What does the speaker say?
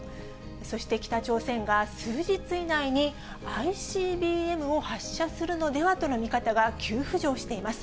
そして北朝鮮が数日以内にＩＣＢＭを発射するのではとの見方が急浮上しています。